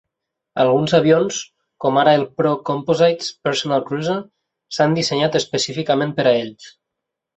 Alguns avions, com ara el Pro-Composites Personal Cruiser s'han dissenyat específicament per a ells.